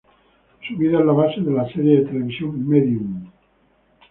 Su vida es la base de la serie de televisión Medium.